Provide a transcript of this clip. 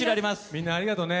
みんなありがとうね。